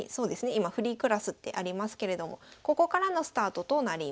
今「フリークラス」ってありますけれどもここからのスタートとなります。